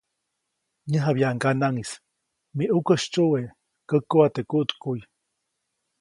Nyäjabyaʼuŋ ŋganaʼŋ -¡mi ʼukä sytsyuwe, käkuʼa teʼ kuʼtkuʼy!‒